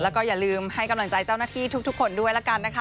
แล้วก็อย่าลืมให้กำลังใจเจ้าหน้าที่ทุกคนด้วยละกันนะคะ